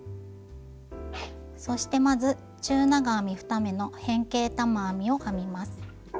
そしてまず中長編み２目の変形玉編みを編みます。